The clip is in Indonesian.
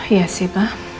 iya sih pak